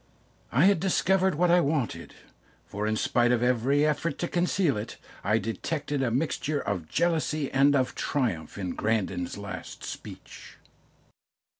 I had discovered what I wanted, for in spite of every effort to conceal it, I detected a mixture of jealousy and of triumph in Grandon's last speech.